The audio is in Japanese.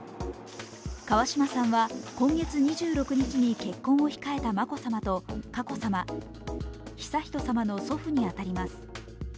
川嶋さんは今月２６日に結婚を控えた眞子さまと佳子さま、悠仁さまの祖父に当たります。